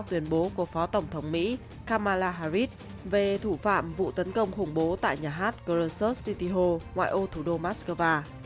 theo tuyên bố của phó tổng thống mỹ kamala harris về thủ phạm vụ tấn công khủng bố tại nhà hát khrushchev city hall ngoại ô thủ đô moscow